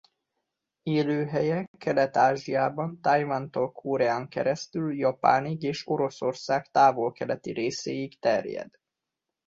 Élőhelye Kelet-Ázsiában Tajvantól Koreán keresztül Japánig és Oroszország távol-keleti részéig terjed.